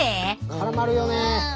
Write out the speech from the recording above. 絡まるよね。